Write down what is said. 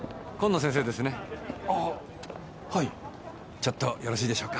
ちょっとよろしいでしょうか。